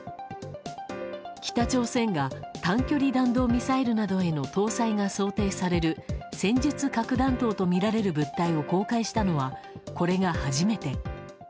北朝鮮が短距離弾道ミサイルなどへの搭載が想定される戦術核弾頭とみられる物体を公開したのは、これが初めて。